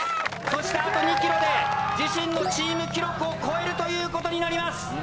そしてあと２ｋｍで自身のチーム記録を超えるという事になります。